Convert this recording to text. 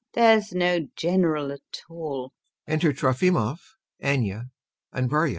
There's no General at all. [Enter TROFIMOV, ANYA, and VARYA.